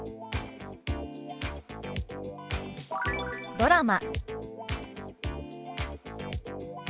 「ドラマ」。